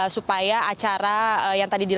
supaya acara yang tadi dilakukan